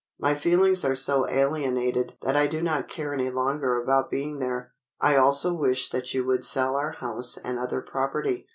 My feelings are so alienated that I do not care any longer about being there. I also wish that you would sell our house and other property.